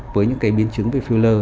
với những cái biến chứng về filler